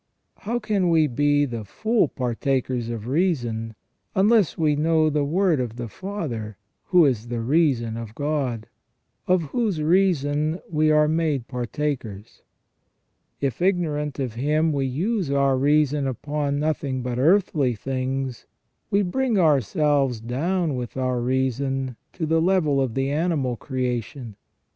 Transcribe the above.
How can we be the full partakers of reason, unless we know the Word of the Father who is the reason of God, of whose reason we are made partakers ? If, ignorant of Him, we use our reason upon nothing but earthly things, we bring ourselves down with our reason to the level of the animal creation.